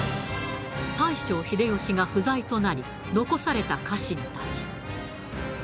大将秀吉が不在となり残された家臣たち。